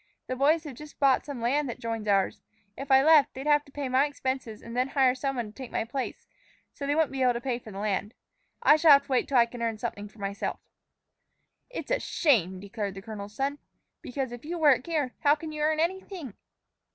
The boys have just bought some land that joins ours. If I left, they'd have to pay my expenses and then hire some one to take my place. So they wouldn't be able to pay for the land. I shall have to wait till I can earn something myself." "It's a shame!" declared the colonel's son. "Because if you work here, how can you earn anything?"